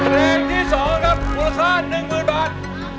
เพลงที่๒ครับมูลค่า๑๐๐๐บาท